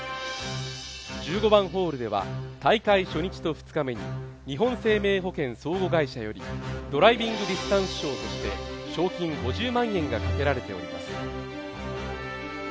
１５番ホールでは大会初日と２日目に日本生命保険相互会社よりドライビングディスタンス賞として賞金５０万円が懸けられております。